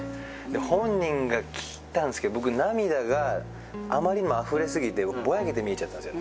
本人が来たんすけど僕涙があまりにもあふれ過ぎて僕ぼやけて見えちゃったんすよね